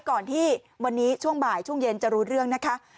ก่อนที่วันนี้ช่วงบ่ายช่วงเย็นจะรู้เรื่องนะคะ